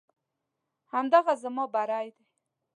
همدغه زما بری دی.